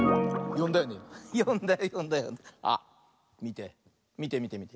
よんだよよんだよよんだよ。あっみてみてみてみて。